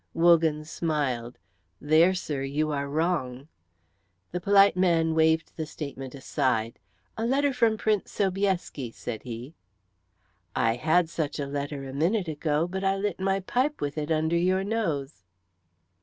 Wogan smiled. "There, sir, you are wrong." The polite man waved the statement aside. "A letter from Prince Sobieski," said he. "I had such a letter a minute ago, but I lit my pipe with it under your nose."